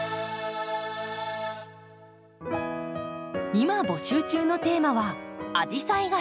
今募集中のテーマは「アジサイが好き！」。